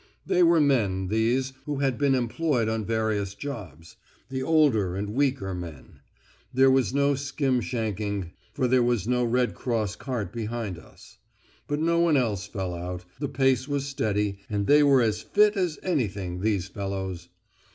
They were men, these, who had been employed on various jobs; the older and weaker men. There was no skrim shanking, for there was no Red Cross cart behind us. But no one else fell out; the pace was steady and they were as fit as anything, these fellows.